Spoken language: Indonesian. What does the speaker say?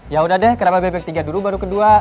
yaudah deh ke rawa bebek tiga dulu baru ke dua